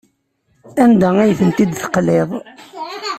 Anda ay tent-id-teqliḍ?